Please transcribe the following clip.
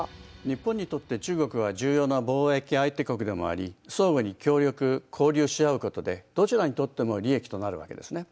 日本にとって中国は重要な貿易相手国でもあり相互に協力・交流し合うことでどちらにとっても利益となるわけですね。